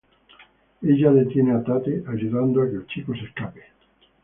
Ella detiene a Tate, ayudando a que el chico se escape.